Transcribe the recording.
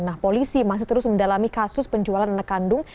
nah polisi masih terus mendalami kasus penjualan anak kandung